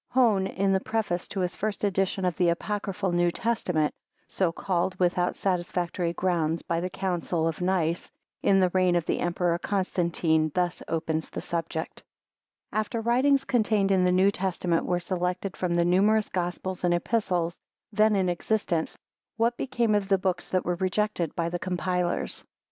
HONE, in the preface to his first edition of the Apocryphal New Testament, so called, without satisfactory grounds, by the Council of Nice, in the reign of the Emperor Constantine, thus opens the subject: "After the writings contained in the New Testament were selected from the numerous Gospels and Epistles then in existence, what became of the Books that were rejected by the compilers?"